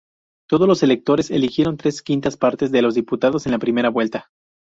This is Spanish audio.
Todos los electores eligieron tres quintas partes de los diputados en la primera vuelta.